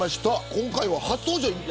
今回は初登場です。